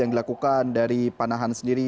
yang dilakukan dari panahan sendiri